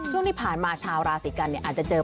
ช่วงที่ผ่ามาชาวราศีกันอาจจะเจอปัญหาหลายเรื่อง